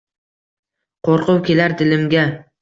Qo’rquv kelar dilimga.